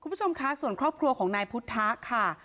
คุณผู้ชมคะส่วนครอบครัวของนายพุทธะค่ะ